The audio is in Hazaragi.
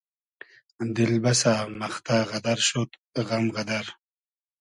دیل بئسۂ مئختۂ غئدئر شود غئم غئدئر